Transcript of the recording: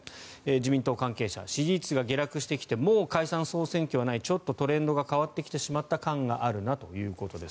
自民党関係者支持率が下落してきてもう解散・総選挙はないちょっとトレンドが変わってしまった感があるということです。